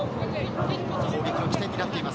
攻撃の起点になっています。